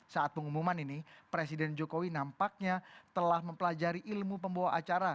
saat pengumuman ini presiden jokowi nampaknya telah mempelajari ilmu pembawa acara